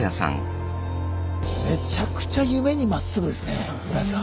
めちゃくちゃ夢にまっすぐですね室屋さん。